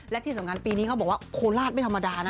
และที่สำคัญปีนี้เขาบอกว่าโคราชไม่ธรรมดานะ